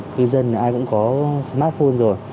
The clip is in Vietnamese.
cư dân ai cũng có smartphone rồi